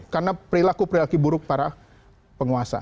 karena perilaku perilaku buruk para penguasa